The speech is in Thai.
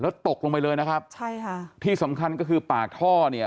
แล้วตกลงไปเลยนะครับใช่ค่ะที่สำคัญก็คือปากท่อเนี่ย